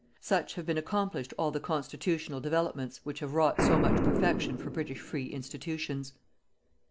Such have been accomplished all the constitutional developments which have wrought so much perfection for British free institutions.